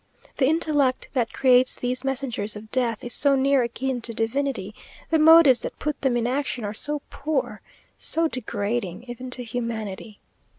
The intellect that creates these messengers of death is so near akin to divinity the motives that put them in action are so poor, so degrading even to humanity!